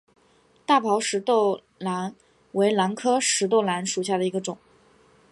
大苞石豆兰为兰科石豆兰属下的一个种。